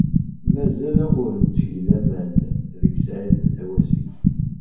Mazal-aɣ ur ntteg laman deg Saɛida Tawasift.